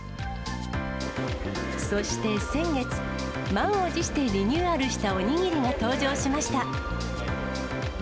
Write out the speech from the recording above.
そして先月、満を持してリニューアルしたおにぎりが登場しました。